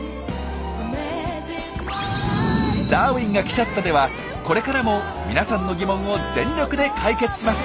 「ダーウィンが来ちゃった！」ではこれからも皆さんの疑問を全力で解決します！